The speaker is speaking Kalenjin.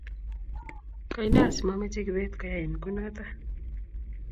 Kaine asimameche kibet koyain kunoto?